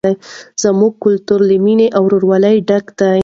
زموږ کلتور له مینې او ورورولۍ ډک دی.